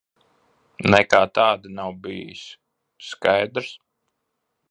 Nekā tāda nav bijis. Skaidrs?